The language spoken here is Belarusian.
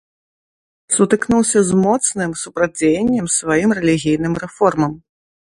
Сутыкнуўся з моцным супрацьдзеяннем сваім рэлігійным рэформам.